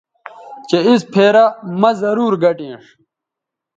چہء اِس پھیرہ مہ ضرور گٹینݜ